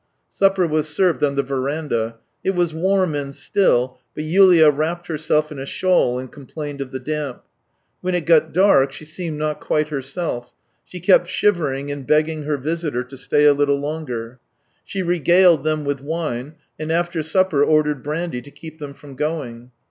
Supper was served on the verandah; it was warm and still, but Yulia wrapped herself in a shawl and complained of the damp. When it got dark, she seemed not quite herself; she kept shivering and begging her visitors to stay a httle longer. She regaled them with wine, and after supper ordered brandy to keep them from going.